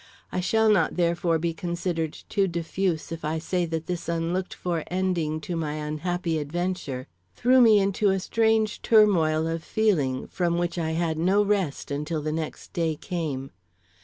I shall not, therefore, be considered too diffuse if I say that this unlooked for ending to my unhappy adventure threw me into a strange turmoil of feeling, from which I had no rest until the next day came.